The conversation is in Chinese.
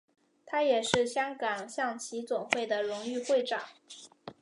他也是香港象棋总会的荣誉会长。